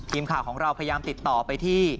ทีมข่าวของเราพยายามติดต่อไปที่